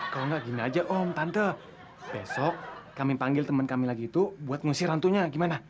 kalau nggak gini aja om tante besok kami panggil teman kami lagi itu buat ngusir rantunya gimana